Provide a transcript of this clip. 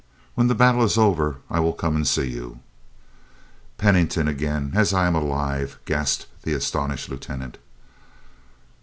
When the battle is over I will come and see you." "Pennington again, as I am alive!" gasped the astonished Lieutenant.